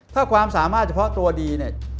ถ้าความสามารถเฉพาะตัวดี